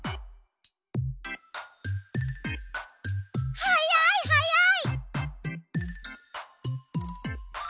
はやいはやい！